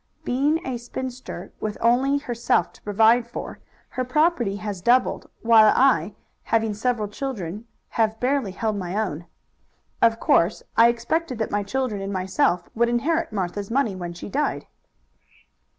Being a spinster, with only herself to provide for, her property has doubled, while I, having several children, have barely held my own. Of course I expected that my children and myself would inherit Martha's money when she died."